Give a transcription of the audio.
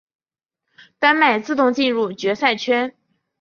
丹麦自动进入决赛圈。